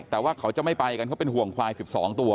แต่ว่าเขาจะไม่ไปกันเขาเป็นห่วงควาย๑๒ตัว